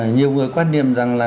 nhiều người quan niệm rằng là